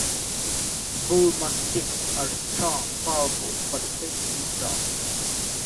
Bullmastiffs are strong, powerful, but sensitive dogs.